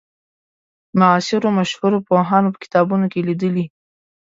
معاصرو مشهورو پوهانو په کتابونو کې لیدلې.